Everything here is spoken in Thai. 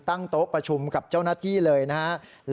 โต๊ะประชุมกับเจ้าหน้าที่เลยนะครับ